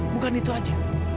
bukan itu aja